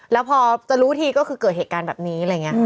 แล้วพอจะรู้ทีก็คือเกิดเหตุการณ์แบบนี้